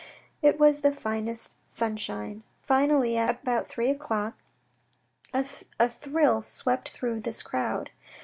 It was the finest sun shine. Finally, about three o'clock, a thrill swept through all this crowd.